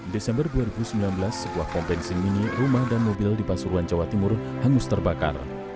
desember dua ribu sembilan belas sebuah kompensin mini rumah dan mobil di pasuruan jawa timur hangus terbakar